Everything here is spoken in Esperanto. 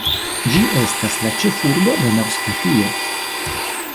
Ĝi estas la ĉefurbo de Nov-Skotio.